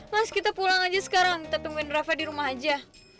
mas kita pulang aja sekarang kita tungguin rafa di rumah aja